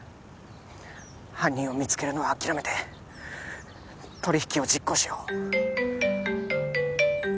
犯人を見つけるのは諦めて取り引きを実行しよう